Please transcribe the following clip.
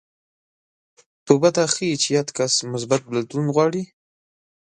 توبه دا ښيي چې یاد کس مثبت بدلون غواړي